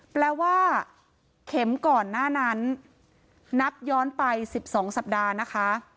แปลว่าเข็มก่อนหน้านั้นนับย้อนไป๑๒สัปดาห์นะคะ